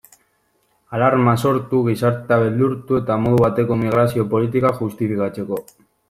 Alarma sortu, gizartea beldurtu, eta modu bateko migrazio politikak justifikatzeko.